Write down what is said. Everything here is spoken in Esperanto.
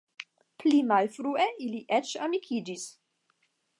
Pli malfrue ili eĉ amikiĝis.